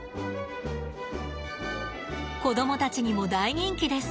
子供たちにも大人気です。